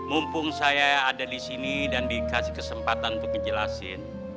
mumpung saya ada di sini dan dikasih kesempatan untuk ngejelasin